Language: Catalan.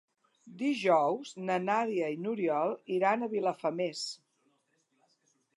Dijous na Nàdia i n'Oriol iran a Vilafamés.